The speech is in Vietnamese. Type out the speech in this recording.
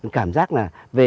cảm giác là